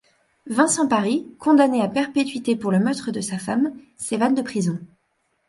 Vincent Parry, condamné à perpétuité pour le meurtre de sa femme, s'évade de prison.